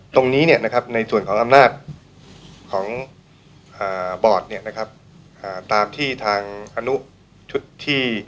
ตรงนี้ในส่วนของอำนาจของบอร์ดตามที่ทางอนุทุษฎี